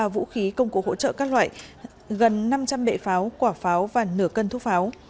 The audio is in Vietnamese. một trăm chín mươi ba vũ khí công cụ hỗ trợ các loại gần năm trăm linh bệ pháo quả pháo và nửa cân thuốc pháo